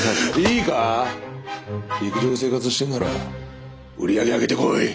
いいか陸上で生活してえんなら売り上げ上げてこい！